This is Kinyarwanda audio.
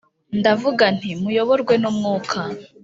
Ndavuga nti Muyoborwe n Umwuka